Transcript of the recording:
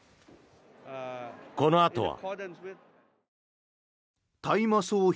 このあとは。